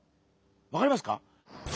わかりますか？